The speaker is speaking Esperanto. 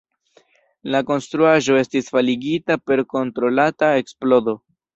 La la konstruaĵo estis faligita per kontrolata eksplodo.